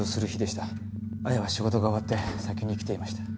彩矢は仕事が終わって先に来ていました。